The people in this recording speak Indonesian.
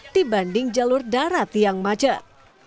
dibanding jalur darat yang macet